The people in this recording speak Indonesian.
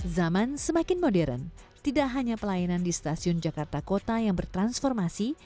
zaman semakin modern tidak hanya pelayanan di stasiun jakarta kota yang bertransformasi